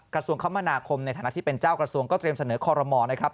กระทรวงคมนาคมในฐานะที่เป็นเจ้ากระทรวงก็เตรียมเสนอคอรมอลนะครับ